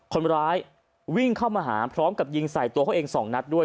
คนร้ายวิ่งเข้ามาหาพร้อมกับยิงใส่ตัวเขาเองสองนัดด้วย